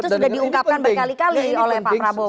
itu sudah diungkapkan berkali kali oleh pak prabowo